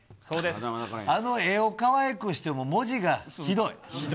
あの絵をかわいくしても、文字がひどい。